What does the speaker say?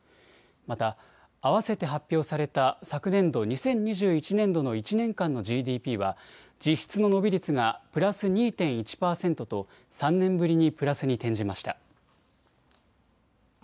またあわせて発表された昨年度２０２１年度の１年間のＧＤＰは実質の伸び率がプラス２．１％と３年ぶりにプラスに転じました。